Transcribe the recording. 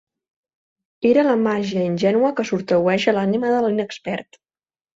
Era la màgia ingènua que sotragueja l'ànima de l'inexpert.